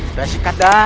udah sikat dah